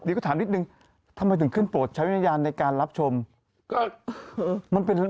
เดี๋ยวก็ถามนิดหนึ่งทำไมถึงขึ้นโปรดใช้วิญญาณในการรับชม